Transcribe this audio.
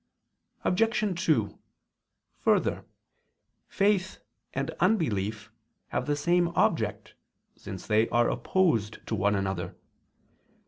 Obj. 2: Further, faith and unbelief have the same object since they are opposed to one another.